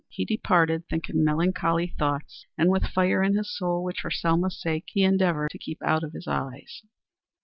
He departed, thinking melancholy thoughts and with fire in his soul, which, for Selma's sake, he endeavored to keep out of his eyes.